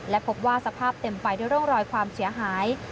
และพบว่าสภาพเต็มไปด้วยร่องรอยความเสียหาย